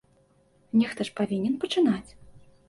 Нехта ж павінен пачынаць.